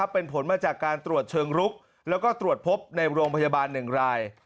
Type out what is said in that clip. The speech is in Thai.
เป็นผลมาจากการตรวจเชิงรุกแล้วก็ตรวจพบในโรงพยาบาล๑ราย